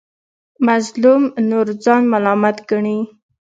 مظلوم نور ځان ملامت ګڼي.